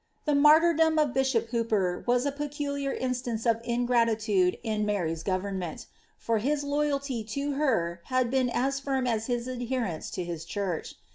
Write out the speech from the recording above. The martyrdom of bishop Hooper was a peculiar insUmM of ingratitude in Mary's government ; for his lnyaliy t» her had Iweii aa firm as his adherence to his church.